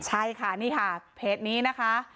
ใช่ค่ะนี่ค่ะเพจนี้นะคะ